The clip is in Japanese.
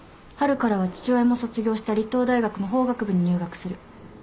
春からは父親も卒業した立東大学の法学部に入学する。